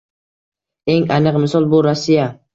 Eng aniq misol - bu Rossiya